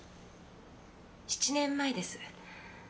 ７年前です。